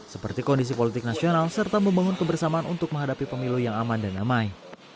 seperti kondisi politik nasional serta membangun kebersamaan untuk menghadapi pemilu yang aman dan damai